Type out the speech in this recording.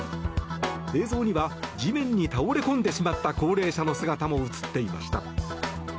映像には地面に倒れ込んでしまった高齢者の姿も映っていました。